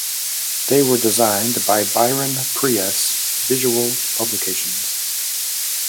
They were designed by Byron Preiss Visual Publications.